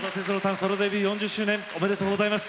ソロデビュー４０周年おめでとうございます。